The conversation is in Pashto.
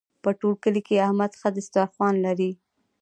په ټول کلي کې احمد ښه دسترخوان لري.